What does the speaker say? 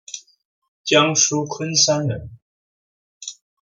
江苏昆山人。